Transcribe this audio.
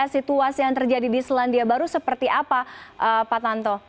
situasi yang terjadi di selandia baru seperti apa pak tanto